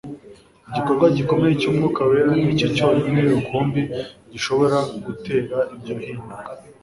Igikorwa gikomeye cy'Umwuka wera nicyo cyonyine rukumbi gishobora gutera iryo hinduka.